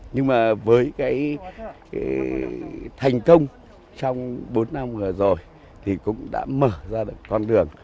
nhưng mà với cái thành công trong bốn năm vừa rồi thì cũng đã mở ra được con đường